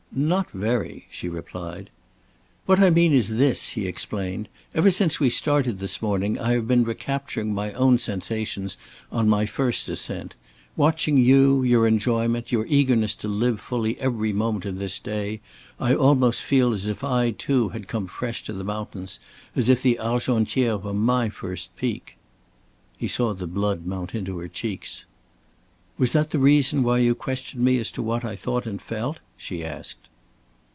"Not very," she replied. "What I mean is this," he explained. "Ever since we started this morning, I have been recapturing my own sensations on my first ascent. Watching you, your enjoyment, your eagerness to live fully every moment of this day, I almost feel as if I too had come fresh to the mountains, as if the Argentière were my first peak." He saw the blood mount into her cheeks. "Was that the reason why you questioned me as to what I thought and felt?" she asked.